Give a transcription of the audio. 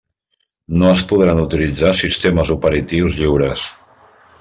No es podran utilitzar sistemes operatius lliures.